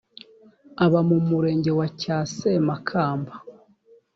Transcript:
uba mu murenge wa cyasemakamba